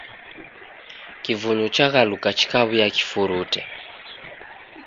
Kivunyu chaghaluka chikaw'uya kifurute